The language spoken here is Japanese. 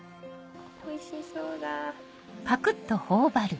おいしそうだ。